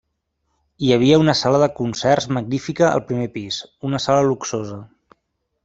Hi havia una sala de concerts magnífica al primer pis, una sala luxosa.